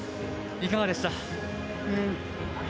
いかがでした？